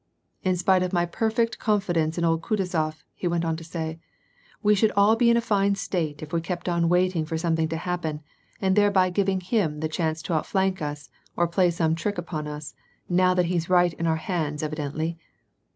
" In spite of my perfect confidence in old Kutuzof," he went on to say, " we should all be in a fine state if we kept on waiting for something to happ>en, and thereby giving him the chance to outflank us or play some trick upon us, now when he's right in our hands evidently.